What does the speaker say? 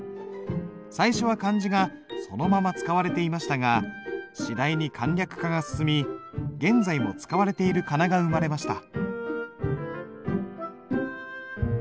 最初は漢字がそのまま使われていましたが次第に簡略化が進み現在も使われている仮名が生まれました。